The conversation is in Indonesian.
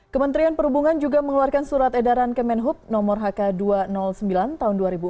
kementerian perhubungan juga mengeluarkan surat edaran kemenhub nomor hk dua ratus sembilan tahun dua ribu enam belas